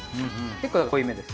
結構だから濃いめです。